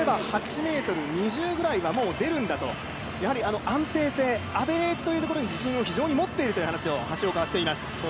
普通に跳べば８ｍ２０ぐらいは出るんだとやはり安定性、アベレージというところに自信を持っているという話を橋岡はしています。